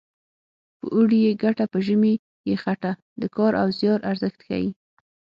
په اوړي یې ګټه په ژمي یې څټه د کار او زیار ارزښت ښيي